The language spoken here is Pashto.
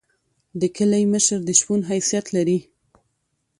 د کلی مشر د شپون حیثیت لري.